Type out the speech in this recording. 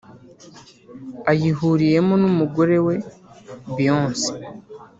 Ayihuriyemo n’umugore we Beyoncé